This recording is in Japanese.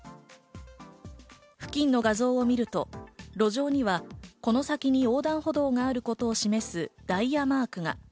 付近の画像を見ると、路上にはこの先に横断歩道があることを示すダイヤマークが。